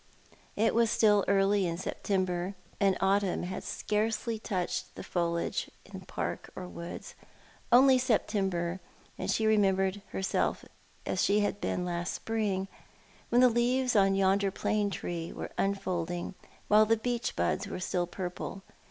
It was still early in September, and Autumn had scarcely touched the foliage in park or woods — only September, and she remembered herself as she had been last Spring, when the leaves on yonder plane tree were unfolding, while the beech buds were still purple.